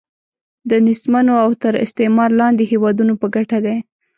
د نېستمنو او تر استعمار لاندې هیوادونو په ګټه دی.